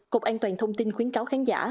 cục an toàn thông tin khuyến cáo khán giả